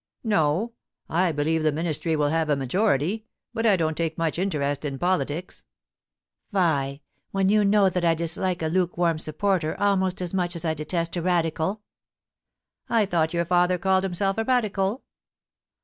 * No ; I believe the Ministry will have a majority ; but I don't take much interest in politics.' ' Fie 1 when you know that I dislike a lukewarm sup porter almost as much as I detest a Radical.' * I thought your father called himself a Radical